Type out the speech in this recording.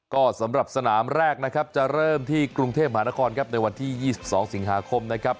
ก็สำหรับสนามแรกนะครับจะเริ่มที่กรุงเทพหานครครับในวันที่๒๒สิงหาคมนะครับ